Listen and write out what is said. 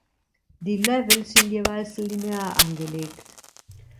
Die Level sind jeweils linear angelegt.